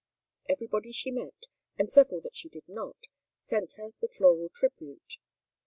Everybody she met, and several that she did not, sent her the floral tribute.